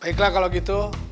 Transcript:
baiklah kalau gitu